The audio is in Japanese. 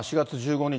４月１５日